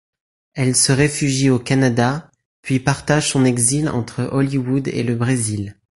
Elle se réfugie au Canada, puis partage son exil entre Hollywood et le Brésil.